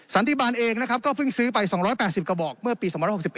สันติบาลเองนะครับก็เพิ่งซื้อไป๒๘๐กระบอกเมื่อปี๒๖๑